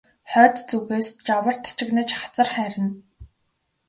Хойд зүгээс жавар тачигнаж хацар хайрна.